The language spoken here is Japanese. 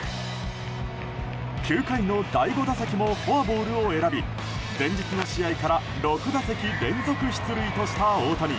９回の第５打席もフォアボールを選び前日の試合から６打席連続出塁とした大谷。